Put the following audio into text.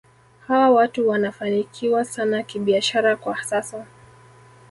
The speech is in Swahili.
Hawa watu wanafanikiwa sana kibiashara kwa sasa